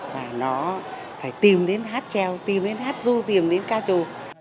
và nó phải tìm đến hát treo tìm đến hát ru tìm đến ca trù